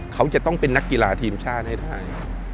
เขาจะต้องเป็นนักกีฬาทีมชาติให้ได้